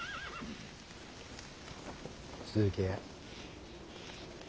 続けや。